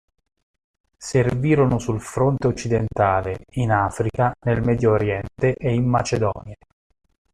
Servirono sul fronte occidentale, in Africa, nel Medio Oriente e in Macedonia.